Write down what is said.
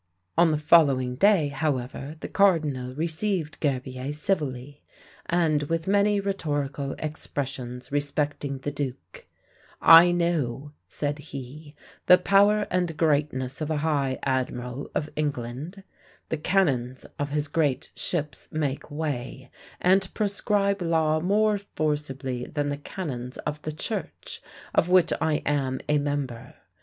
On the following day, however, the cardinal received Gerbier civilly, and, with many rhetorical expressions respecting the duke: "I know," said he, "the power and greatness of a high admiral of England; the cannons of his great ships make way, and prescribe law more forcibly than the canons of the church, of which I am a member.